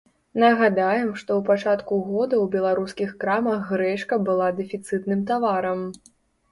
Нагадаем, што ў пачатку года ў беларускіх крамах грэчка была дэфіцытным таварам.